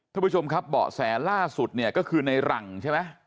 ท่านผู้ชมครับเบาะแสล่าสุดเนี่ยก็คือในหลังใช่ไหม